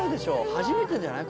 初めてじゃない？